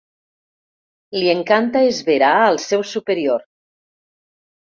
Li encanta esverar al seu superior.